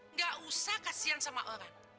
nggak usah kasihan sama orang